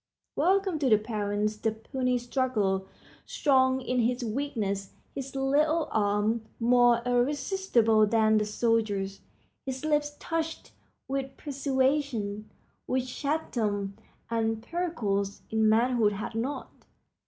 Welcome to the parents the puny struggler, strong in his weakness, his little arms more irresistible than the soldier's, his lips touched with persuasion which Chatham and Pericles in manhood had not.